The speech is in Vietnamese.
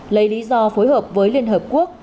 lấy lý do phối hợp với liên hợp quốc